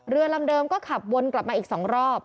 เรือลำเดิมก็ขับวนกลับมาอีก๒รอบ